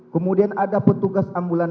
kemudian ada petugas ambulan